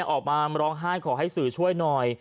ออกมาร้องไห้ขอให้สื่อช่วยหน่อย